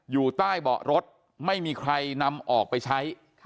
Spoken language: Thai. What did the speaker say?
อยู่ใต้เบาะรถไม่มีใครนำออกไปใช้